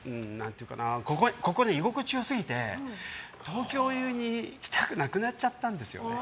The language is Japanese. ここね、居心地が良すぎて東京に来たくなくなっちゃったんですよ。